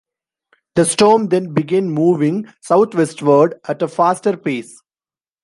The storm then began moving southwestward at a faster pace.